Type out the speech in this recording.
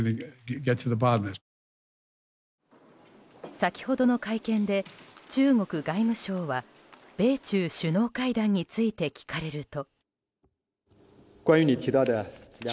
先ほどの会見で中国外務省は米中首脳会談について聞かれると。